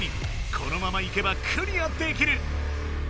このままいけばクリアできる！